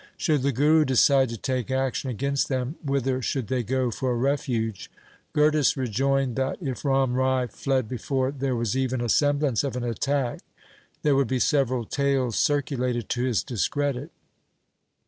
Should the Guru decide to take action against them, whither should they go for refuge? Gurdas rejoined, that if Ram Rai fled before there was even a semblance 5IKH. v c 18 THE SIKH RELIGION of an attack, there would be several tales circulated to his discredit.